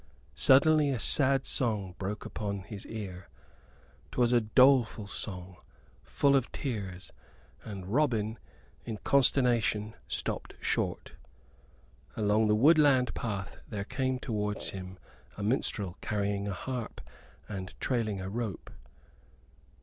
Suddenly a sad song broke upon his ear. 'Twas a doleful song, full of tears; and Robin, in consternation, stopped short. Along the woodland path there came towards him a minstrel carrying a harp and trailing a rope.